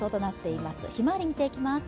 ひまわりを見ていきます。